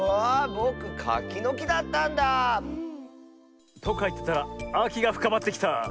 ぼくカキのきだったんだあ。とかいってたらあきがふかまってきた。